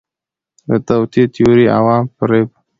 د توطئې تیوري، عوام فریب